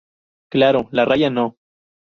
claro, la raya, ¿ no?